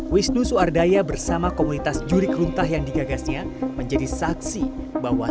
wisnu soeardaya bersama komunitas juri keruntah yang digagasnya menjadi saksi bahwa